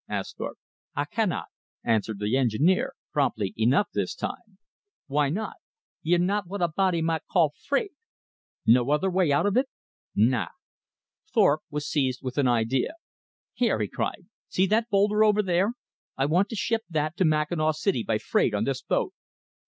asked Thorpe. "I canna," answered the engineer, promptly enough this time. "Why not?" "Ye're na what a body might call freight." "No other way out of it?" "Na." Thorpe was seized with an idea. "Here!" he cried. "See that boulder over there? I want to ship that to Mackinaw City by freight on this boat."